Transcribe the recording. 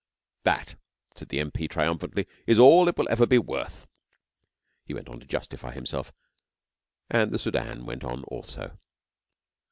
'That,' said the M.P. triumphantly, 'is all it will ever be worth.' He went on to justify himself, and the Soudan went on also.